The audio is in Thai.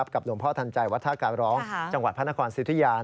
กับหลวงพ่อทันใจวัดท่าการร้องจังหวัดพระนครสิทธิยา